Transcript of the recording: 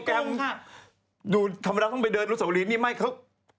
โปรแกรมดูธรรมดาต้องไปเดินรุศวรีนี่ไม่เค้า